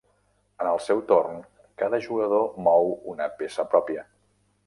En el seu torn cada jugador mou una peça pròpia.